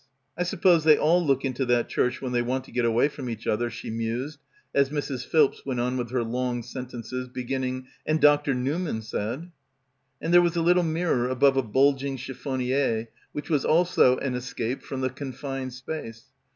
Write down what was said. "I sup pose they all look into that church when they want to get away from each other," she mused as Mrs. Philps went on with her long sentences be ginning "And Dr. Newman said —" And there was a little mirror above a bulging chiffonier which was also an escape from the confined space.